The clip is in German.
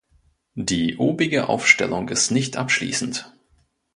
Die obige Aufstellung ist nicht abschliessend.